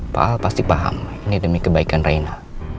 pak al pasti paham ini demi kebaikan raina